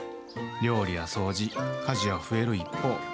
料理や掃除、家事は増える一方。